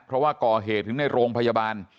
เพราะว่าก่อเหตุถึงในโรงพยาบาล